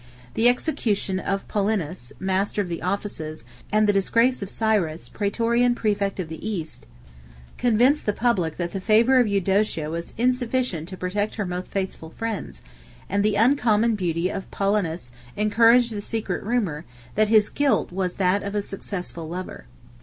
The execution of Paulinus, master of the offices, and the disgrace of Cyrus, Prætorian præfect of the East, convinced the public that the favor of Eudocia was insufficient to protect her most faithful friends; and the uncommon beauty of Paulinus encouraged the secret rumor, that his guilt was that of a successful lover.